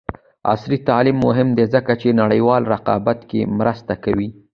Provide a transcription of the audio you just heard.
عصري تعلیم مهم دی ځکه چې نړیوال رقابت کې مرسته کوي.